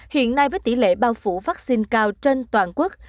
hiện nay với tỷ lệ bao phủ vaccine cao trên toàn quốc